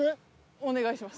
お願いします。